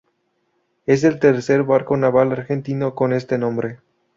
Es el tercer barco naval argentino con este nombre.